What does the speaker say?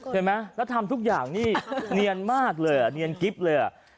ใช่ไหมแล้วทำทุกอย่างนี่เนียนมากเลยเนียนกิฟต์เลย